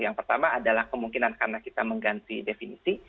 yang pertama adalah kemungkinan karena kita mengganti definisi